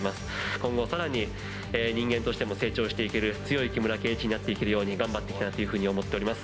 今後さらに、人間としても成長していける強い木村敬一になっていけるように、頑張っていきたいというふうに思っております。